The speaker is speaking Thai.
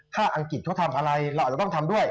ถ้าอังกฤษเขาทำอะไรเราอาจจะต้องทำด้วย